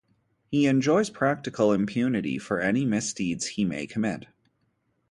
He enjoys practical impunity for any misdeeds he may commit.